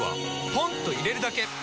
ポンと入れるだけ！